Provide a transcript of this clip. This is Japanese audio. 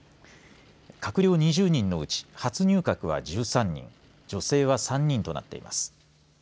閣僚２０人のうち初入閣は１３人女性は３人となっています。